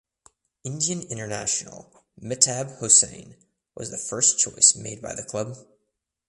Indian international Mehtab Hossain was the first choice made by the club.